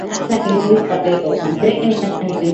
Wandeni ata nilipa leo